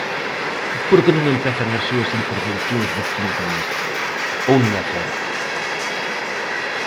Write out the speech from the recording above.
¿Por que non empezan as súas intervencións dicindo isto?, ¿ou non é certo?